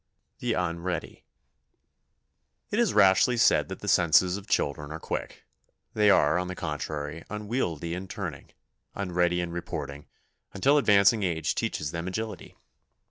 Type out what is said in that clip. THE UNREADY It is rashly said that the senses of children are quick. They are, on the contrary, unwieldy in turning, unready in reporting, until advancing age teaches them agility.